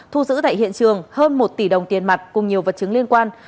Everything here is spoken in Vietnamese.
thu giữ tại hiện trường hơn một tỷ đồng tiền mặt cùng nhiều vật chứng liên quan